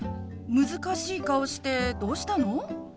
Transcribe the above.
難しい顔してどうしたの？